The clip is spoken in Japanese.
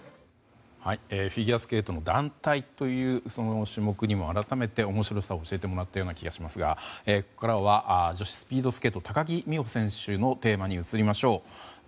フィギュアスケートの団体というその種目にも改めて面白さを教えてもらったような気もしますがここからは女子スピードスケート高木美帆選手のテーマに移りましょう。